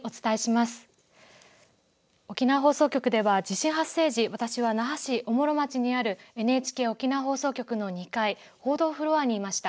沖縄放送局では地震発生時、私は那覇市おもろまちにあるＮＨＫ沖縄放送局の２階、報道フロアにいました。